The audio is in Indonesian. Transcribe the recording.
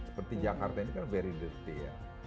seperti jakarta ini kan very dirty ya